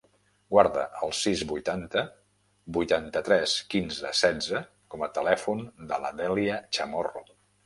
Guarda el sis, vuitanta, vuitanta-tres, quinze, setze com a telèfon de la Dèlia Chamorro.